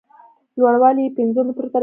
لوړوالی یې پینځو مترو ته رسېده.